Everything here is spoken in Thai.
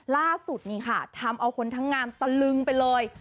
ล่าสุดนี่ค่ะทำเอาคนทั้งงานตะลึงไปเลย